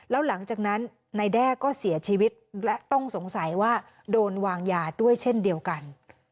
แล้วหลังจากนั้นนายแด้ก็เสียชีวิตและต้องสงสัยว่าโดนวางยาด้วยเช่นเดียวกัน